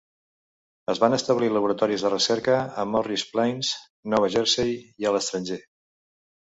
Es van establir laboratoris de recerca a Morris Plains, Nova Jersey, i a l'estranger.